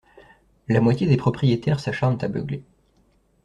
La moitié des propriétaires s'acharnent à beugler.